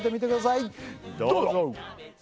どうぞ！